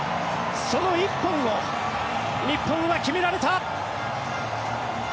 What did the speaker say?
その１本を日本は決められた！